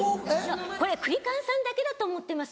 これクリカンさんだけだと思ってます